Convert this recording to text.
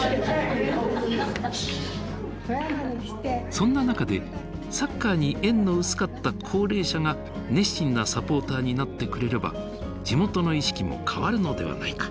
そんな中でサッカーに縁の薄かった高齢者が熱心なサポーターになってくれれば地元の意識も変わるのではないか。